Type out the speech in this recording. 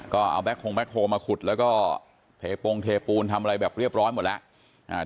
ก็เอาแบคโครงแบคโครงมาขุดแล้วก็เทปูนทำอะไรเรียบร้อยหมดแล้ว